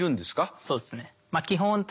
そうですね。